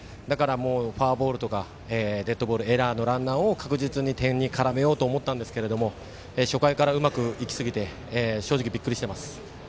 フォアボールとかデッドボールエラーのランナーを確実に点に絡めようと思ったんですけど初回からうまくいきすぎて正直びっくりしています。